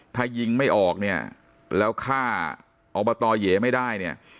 ถ้ายิงไม่ออกเนี่ยแล้วฆ่าอบตเยไม่ได้เนี่ย